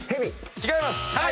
違います。